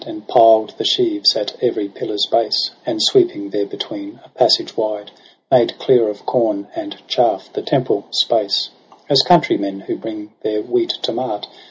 And piled the sheaves at every pillar's base j And sweeping therebetween a passage wide, Made clear of corn and chafF the temple space : As countrymen who bring their wheat to mart.